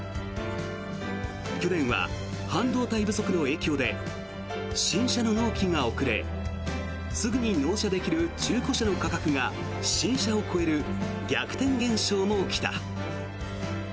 去年は半導体不足の影響で新車の納期が遅れすぐに納車できる中古車の価格が新車を超える逆転現象も起きた。